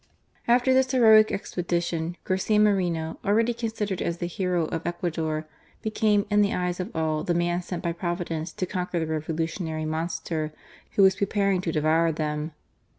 After this heroic expedition^ Garcia Moreno, ^eady considered as the hero of Ecuador, became, in the eyes of all, the man sent by Providence to conquer the revolutionary monster who was pre paring to devour them.